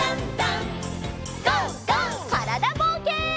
からだぼうけん。